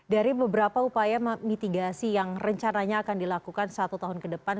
dari beberapa upaya mitigasi yang rencananya akan dilakukan satu tahun ke depan